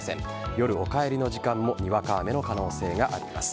夜、お帰りの時間もにわか雨の可能性があります。